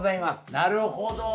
なるほど。